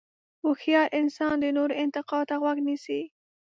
هوښیار انسان د نورو انتقاد ته غوږ نیسي.